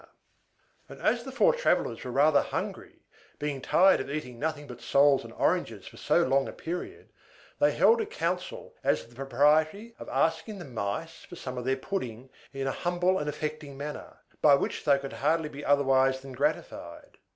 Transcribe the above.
And as the four travellers were rather hungry, being tired of eating nothing but soles and oranges for so long a period, they held a council as to the propriety of asking the Mice for some of their pudding in a humble and affecting manner, by which they could hardly be otherwise than gratified.